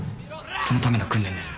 そのための訓練です。